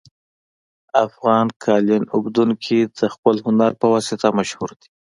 افغان قالین اوبدونکي د خپل هنر په واسطه مشهور دي